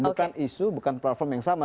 bukan isu bukan platform yang sama